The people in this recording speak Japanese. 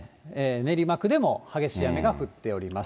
練馬区でも激しい雨が降っております。